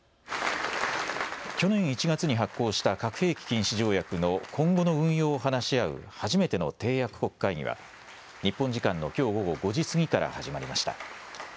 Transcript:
去年１月に発効した核兵器禁止条約の今後の運用を話し合う初めての締約国会議が日本時間のきょう午後５時過ぎから始まりました。